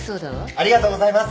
ありがとうございます。